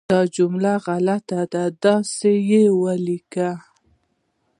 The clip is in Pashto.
دا جمله غلطه ده، داسې یې ولیکه